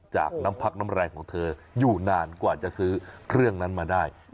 จากน้ำพักน้ำแรงของเธออยู่นานกว่าจะซื้อเครื่องนั้นมาได้